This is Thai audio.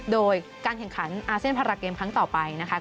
โดยการแข่งขันอาเซียนพาราเกมครั้งต่อไปนะคะ